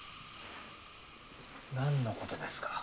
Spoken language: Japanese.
何のことですか？